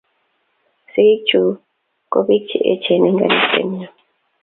Sigig chuk kobiik che echen eng kaniset nyojn